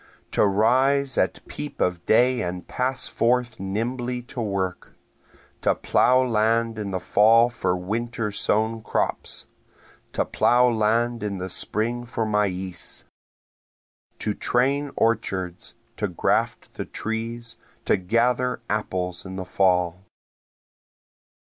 To rise at peep of day and pass forth nimbly to work, To plough land in the fall for winter sown crops, To plough land in the spring for maize, To train orchards, to graft the trees, to gather apples in the fall.